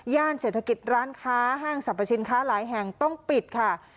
เศรษฐกิจร้านค้าห้างสรรพสินค้าหลายแห่งต้องปิดค่ะ